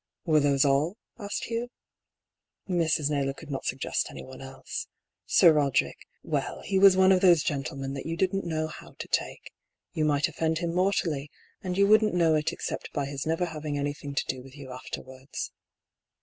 " Were those all ?" asked Hugh. Mrs. Naylor could not suggest anyone else. Sir Roderick — well, he was one of those gentlemen that you didn't know how to take. You might oflEend him mortally, and you wouldn't know it except by his never having anything to do with you afterwards.